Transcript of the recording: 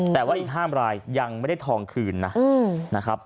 แต่ว่าอีก๕รายยังไม่ได้ทองคืนนะครับ